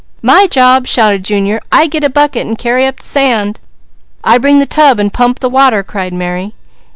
"My job!" shouted Junior. "I get a bucket and carry up the sand!" "I bring the tub and pump the water!" cried Mary.